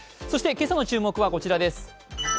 そして今朝の注目はこちらです。